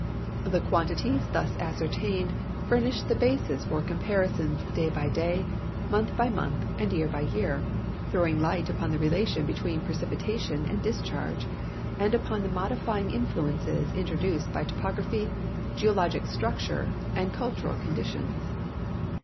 The quantities thus ascertained furnish the basis for compari sons day by day, month by month, and year l)y year, throwing light U])on the relation Ijetween preci})itation and discharge, and upon the modifying influences introduced by topography, geologic structure, and cultural conditions.